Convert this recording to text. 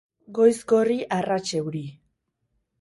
Goiz gorri arrats euri.